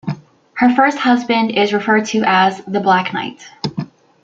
Her first husband is referred to as the Black Knight.